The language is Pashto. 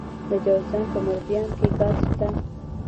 د جوزجان په مردیان کې ګاز شته.